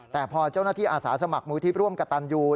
แต่พอเจ้าหน้าที่อาสาสมัครมูลที่ร่วมกระตันยู